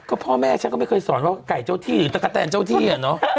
ก็พ่อแม่ฉันก็ไม่เคยสอนว่าไก่เจ้าที่หรือตะกะแตนเจ้าที่อ่ะเนอะ